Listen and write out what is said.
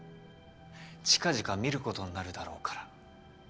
近々見ることになるだろうから。